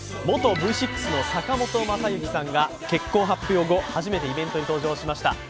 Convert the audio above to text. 元Ｖ６の坂本昌行さんが結婚発表後初めてイベントに登場しました。